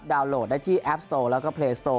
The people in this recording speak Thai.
ดาวน์โหลดได้ที่แอปสโตร์แล้วก็เพลย์สโตร์